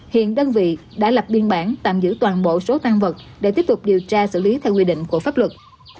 hiện đơn vị đã lập biên bản tạm giữ toàn bộ số tăng vật để tiếp tục điều tra xử lý theo quy định của pháp luật